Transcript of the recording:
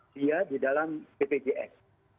dia di dalam bpjs